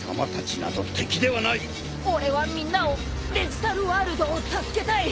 俺はみんなをデジタルワールドを助けたい！